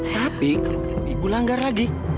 tapi ibu langgar lagi